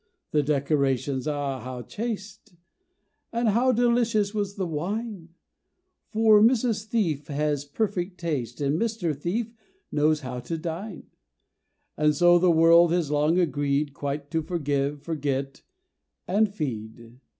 The decorations, ah, how chaste! And how delicious was the wine! For Mrs. Thief has perfect taste And Mr. Thief knows how to dine. And so the world has long agreed Quite to forgive, forget and feed.